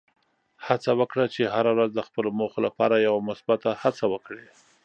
هڅه وکړه چې هره ورځ د خپلو موخو لپاره یوه مثبته هڅه وکړې.